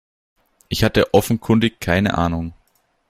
Er hat offenkundig keine Ahnung.